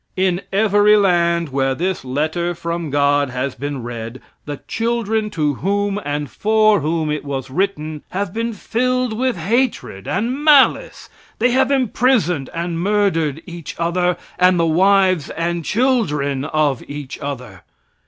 In every land, where this letter from God has been read, the children to whom and for whom it was written have been filled with hatred and malice. They have imprisoned and murdered each other, and the wives and children of each other.